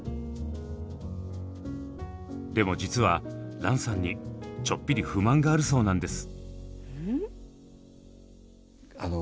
でも実は蘭さんにちょっぴり不満があるそうなんです。